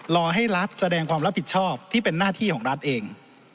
รอให้รัฐแสดงความรับผิดชอบที่เป็นหน้าที่ของรัฐเอง